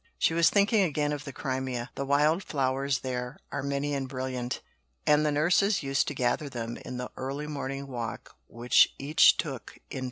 She was thinking again of the Crimea. The wild flowers there are many and brilliant; and the nurses used to gather them in the early morning walk which each took in turn.